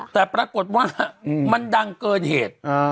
แต่ปรากฏว่ามันดังเกินเหตุ